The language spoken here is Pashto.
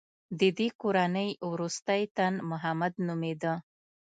د دې کورنۍ وروستی تن محمد نومېده.